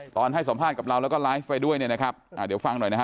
ให้สัมภาษณ์กับเราแล้วก็ไลฟ์ไปด้วยเนี่ยนะครับอ่าเดี๋ยวฟังหน่อยนะฮะ